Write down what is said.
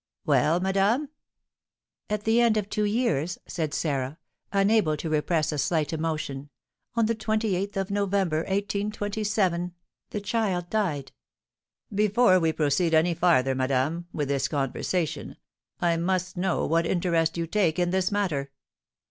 "Well, madame?" "At the end of two years," said Sarah, unable to repress a slight emotion, "on the 28th of November, 1827, the child died." "Before we proceed any farther, madame, with this conversation, I must know what interest you take in this matter?"